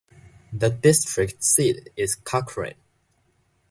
The district seat is Cochrane.